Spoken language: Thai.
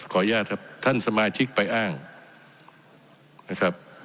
อนุญาตครับท่านสมาชิกไปอ้างนะครับ